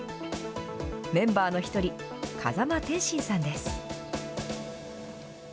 メンバーの一人、風間天心さんです。